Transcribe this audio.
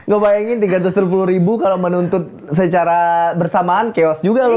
gue bayangin rp tiga ratus sepuluh kalau menuntut secara bersamaan chaos juga loh